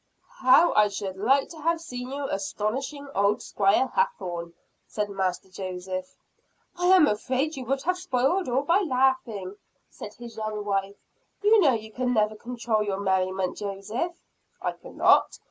"How I should like to have seen you astonishing old Squire Hathorne," said Master Joseph. "I am afraid you would have spoiled all by laughing," said his young wife. "You know you never can control your merriment, Joseph." "I cannot?